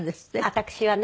私はね。